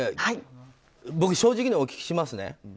僕、正直にお聞きしますね。